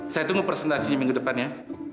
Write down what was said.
saya tunggu presentasinya minggu depan ya